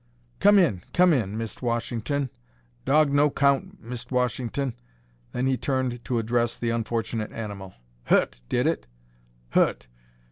"Come in, come in, Mist' Wash'ton. Dawg no 'count, Mist' Wash'ton." Then he turned to address the unfortunate animal. "Hu't, did it? Hu't?